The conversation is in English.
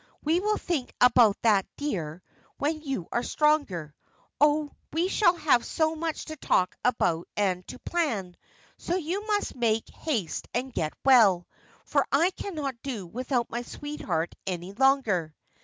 "We will think about that, dear, when you are stronger. Oh, we shall have so much to talk about and to plan, so you must make haste and get well, for I cannot do without my sweetheart any longer."